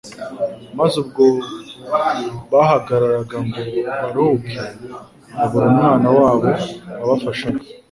Maze ubwo bahagararaga ngo baruhuke, babura umwana wabo wabafashaga.